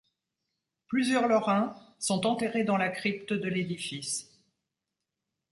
Plusieurs Lorrains sont enterrés dans la crypte de l'édifice.